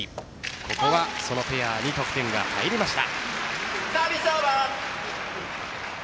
ここはそのペアに得点が入りました。